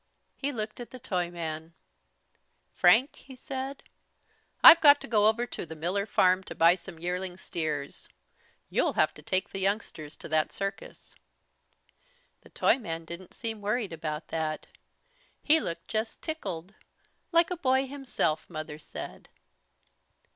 He looked at the Toyman: "Frank," he said, "I've got to go over to the Miller farm to buy some yearling steers. You'll have to take the youngsters to that circus." The Toyman didn't seem worried about that. He looked just "tickled," "like a boy himself," Mother said.